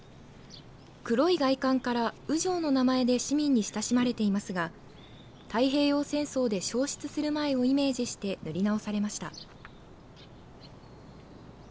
黒い外観から烏城の名前で市民に親しまれていますが太平洋戦争で焼失する前をイメージして塗り直されました。